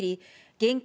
現金